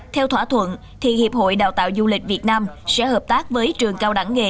theo thỏa thuận thì hiệp hội đào tạo du lịch việt nam sẽ hợp tác với trường cao đẳng nghề